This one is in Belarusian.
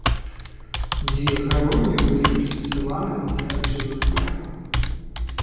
Дзве гародні былі прыстасаваныя для жылых мэтаў.